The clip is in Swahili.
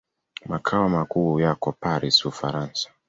Makao makuu yako Paris, Ufaransa.